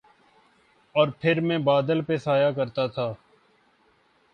اور پھر میں بادل پہ سایہ کرتا تھا